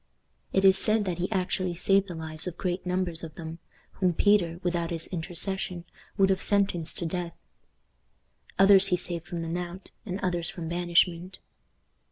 It is said that he actually saved the lives of great numbers of them, whom Peter, without his intercession, would have sentenced to death. Others he saved from the knout, and others from banishment.